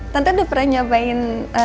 tante udah pernah nyobain